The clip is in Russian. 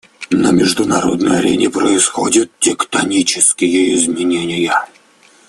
На международной арене происходят тектонические изменения.